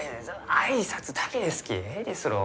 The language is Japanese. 挨拶だけですきえいですろう？